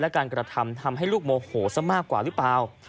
การกระทำทำให้ลูกโมโหซะมากกว่าหรือเปล่า